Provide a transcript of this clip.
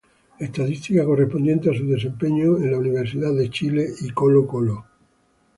Estadística correspondiente a su desempeño en Universidad de Chile y Colo-Colo.